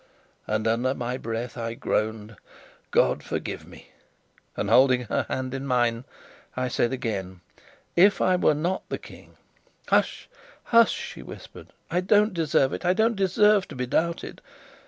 And under my breath I groaned, "God forgive me!" and, holding her hand in mine, I said again: "If I were not the King " "Hush, hush!" she whispered. "I don't deserve it I don't deserve to be doubted.